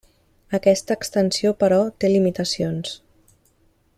Aquesta extensió, però, té limitacions.